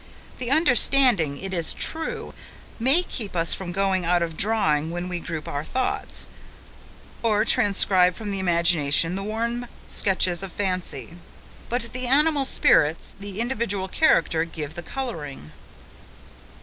The understanding, it is true, may keep us from going out of drawing when we group our thoughts, or transcribe from the imagination the warm sketches of fancy; but the animal spirits, the individual character give the colouring.